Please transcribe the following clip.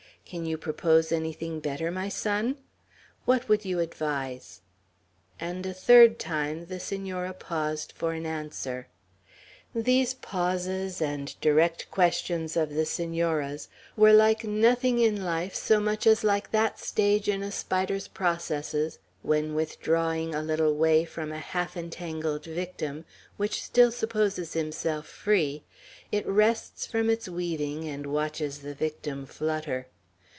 Can you propose anything better, my son? What would you advise?" And a third time the Senora paused for an answer. These pauses and direct questions of the Senora's were like nothing in life so much as like that stage in a spider's processes when, withdrawing a little way from a half entangled victim, which still supposes himself free, it rests from its weaving, and watches the victim flutter.